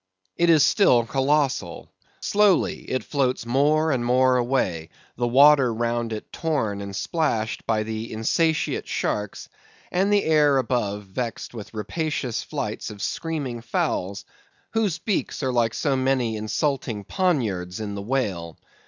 It is still colossal. Slowly it floats more and more away, the water round it torn and splashed by the insatiate sharks, and the air above vexed with rapacious flights of screaming fowls, whose beaks are like so many insulting poniards in the whale.